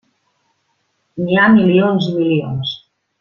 N'hi ha milions i milions.